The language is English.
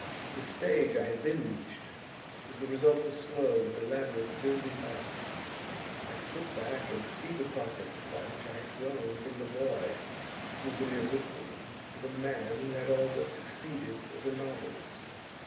The stage I had then reached was the result of a slow and elaborate building up; I could look back and see the processes by which I had grown from the boy who was a mere bookworm to the man who had all but succeeded as a novelist.